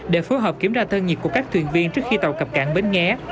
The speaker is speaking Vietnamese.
để phối hợp kiểm tra thân nhiệt của các thuyền viên trước khi tàu cập cảng bến nghé